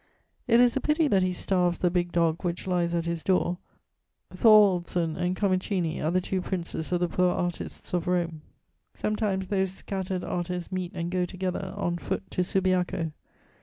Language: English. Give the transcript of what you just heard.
It is a pity that he starves the big dog which lies at his door. Thorwaldsen and Camuccini are the two princes of the poor artists of Rome. Sometimes those scattered artists meet and go together, on foot, to Subiaco.